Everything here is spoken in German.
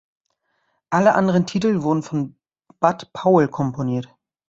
Alle anderen Titel wurden von Bud Powell komponiert.